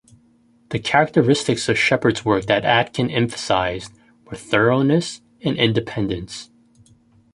The characteristics of Sheppard's work that Aitken emphasised were thoroughness and independence.